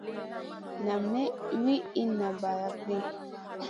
Nam may wi inna balakŋ ɗi.